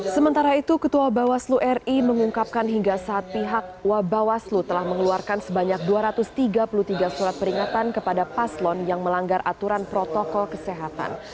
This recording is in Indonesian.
sementara itu ketua bawaslu ri mengungkapkan hingga saat pihak wabawaslu telah mengeluarkan sebanyak dua ratus tiga puluh tiga surat peringatan kepada paslon yang melanggar aturan protokol kesehatan